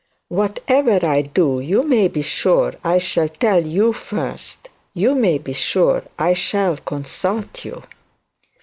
Whatever I do, you may be sure I shall tell you first; you may be sure I shall consult you.'